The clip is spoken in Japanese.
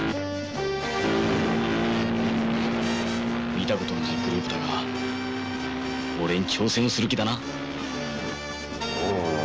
見たことのないグループだが俺に挑戦する気だな。